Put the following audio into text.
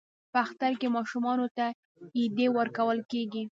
په اختر کې ماشومانو ته ایډي ورکول کیږي.